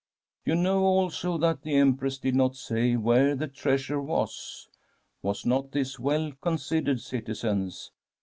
*" You know, also, that the Empress did not say where the treasure was. Was not this well considered, citizens